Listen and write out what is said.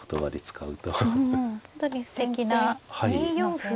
本当にすてきな先生で。